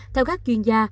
theo các chuyên gia